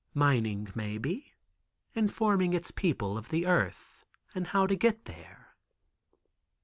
Mining, maybe. Informing its people of the earth and how to get there.